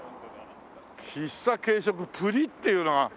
喫茶軽食ぷりっていうのは。